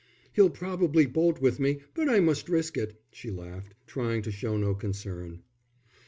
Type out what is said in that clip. "He'll probably bolt with me, but I must risk it," she laughed, trying to show no concern.